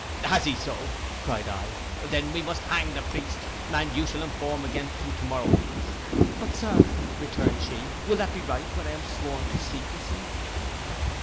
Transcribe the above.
'Has he so?' cried I, 'then we must hang the priest, and you shall inform against him to morrow.'—'But Sir,' returned she, 'will that be right, when I am sworn to secrecy?